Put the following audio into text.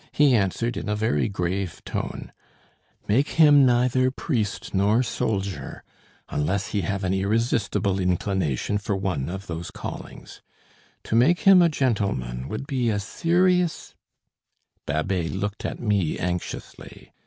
He answered in a very grave tone: "Make him neither priest nor soldier, unless he have an irresistible inclination for one of those callings to make him a gentleman would be a serious " Babet looked at me anxiously.